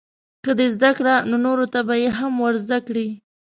که دې زده کړه نو نورو ته به یې هم ورزده کړې.